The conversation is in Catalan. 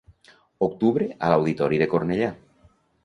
Octubre a l'Auditori de Cornellà.